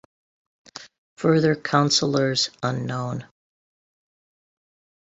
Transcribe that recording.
Further Councillors Unknown.